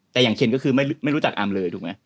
แต่อย่างเคนก็คือไม่รู้จักอำเลยถูกไหม